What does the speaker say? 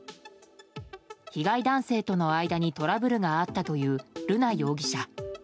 被害男性との間にトラブルがあったという瑠奈容疑者。